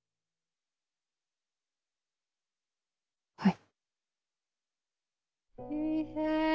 はい。